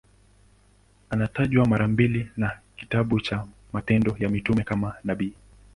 Anatajwa mara mbili na kitabu cha Matendo ya Mitume kama nabii.